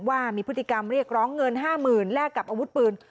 ว่ามีพฤติกรรมเรียกร้องเงิน๕๐๐๐แลกกับอาวุธปืน